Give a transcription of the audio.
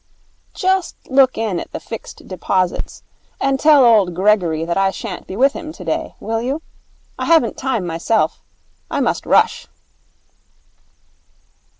'Just look in at the Fixed Deposits and tell old Gregory that I shan't be with him today, will you? I haven't time myself. I must rush!'